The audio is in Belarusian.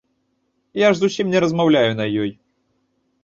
Я ж зусім не размаўляю на ёй.